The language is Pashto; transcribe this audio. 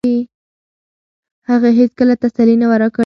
هغې هیڅکله تسلي نه وه راکړې.